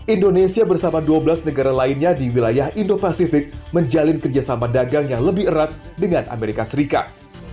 indonesia bersama dua belas negara lainnya di wilayah indo pasifik menjalin kerjasama dagang yang lebih erat dengan amerika serikat